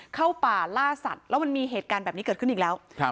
เข้าป่าล่าสัตว์แล้วมันมีเหตุการณ์แบบนี้เกิดขึ้นอีกแล้ว